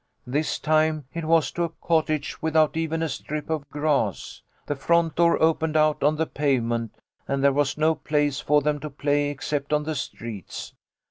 This time it was to a cottage without even a strip of grass. The front door opened out on the pavement and there was no place for them to play except on the streets.